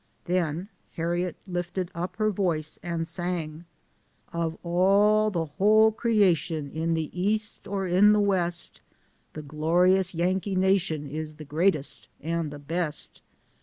Then Harriet lifted up her voice aijd sang :" Of all the whole creation in the east <& in the west, The glorious Yankee nation is the 'greatest and the best.